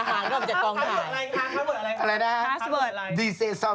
อ๋ออาหารด้วยมาจากกองถ่ายคาสเวิร์ดอะไรคะคาสเวิร์ดอะไรคาสเวิร์ดอะไร